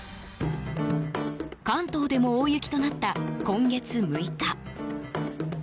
関東でも大雪となった今月６日。